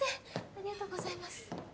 ありがとうございます。